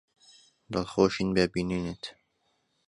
دڵخۆشین بە بینینت.